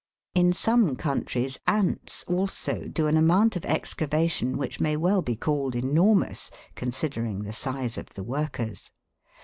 In some countries ants, also, do an amount of excavation which may well be called enormous considering the size of the workers.